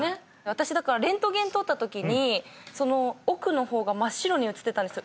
私だからレントゲン撮ったときに奥の方が真っ白に写ってたんですよ